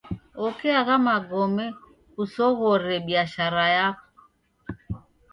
Oke agha magome kusoghore biashara yako.